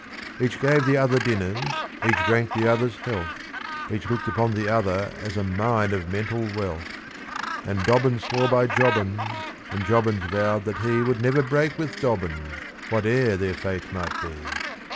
Each gave the other dinners, each drank the other's health, Each looked upon the other as a "mine of mental wealth," And Dobbins swore by Jobbins, and Jobbins vowed that he Would never break with Dobbins, whate'er their fate might be.